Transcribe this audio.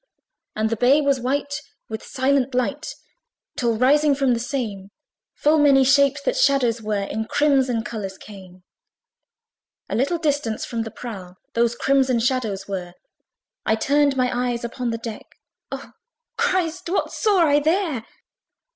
And the bay was white with silent light, Till rising from the same, Full many shapes, that shadows were, In crimson colours came. A little distance from the prow Those crimson shadows were: I turned my eyes upon the deck Oh, Christ! what saw I there!